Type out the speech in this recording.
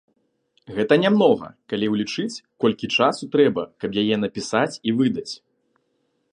Гэта нямнога, калі ўлічыць, колькі часу трэба, каб яе напісаць і выдаць!